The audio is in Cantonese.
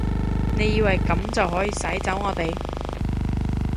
你以為噉就可以使走我哋？